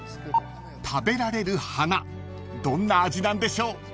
［食べられる花どんな味なんでしょう］